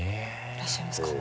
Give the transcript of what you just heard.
いらっしゃいますか？